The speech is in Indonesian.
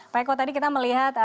pak eko tadi kita melihat